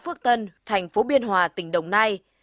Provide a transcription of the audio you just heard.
phước tân thành phố biên hòa tỉnh đồng nai